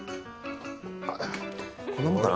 こんなもんかな。